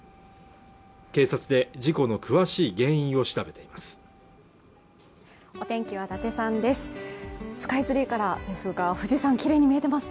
警察で事故の詳しい原因を調べています